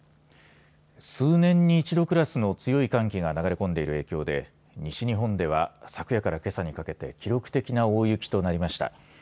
数年に一度クラスの強い寒気が流れ込んでいる影響で西日本では昨夜からけさにかけて記録的な大雪となりました。